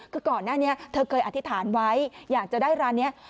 คือก่อนหน้านี้เธอเคยอธิษฐานไว้อยากจะได้ร้านนี้